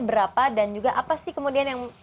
berapa dan juga apa sih kemudian yang